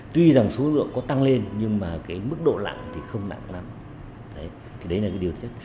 tuy rằng số lượng có tăng lên nhưng mà mức độ lặng thì không lặng lắm